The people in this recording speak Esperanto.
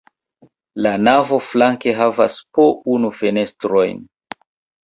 La navo flanke havas po unu fenestrojn.